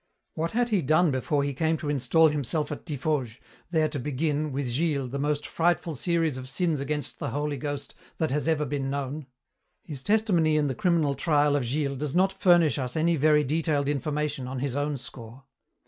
What had he done before he came to install himself at Tiffauges, there to begin, with Gilles, the most frightful series of sins against the Holy Ghost that has ever been known? His testimony in the criminal trial of Gilles does not furnish us any very detailed information on his own score.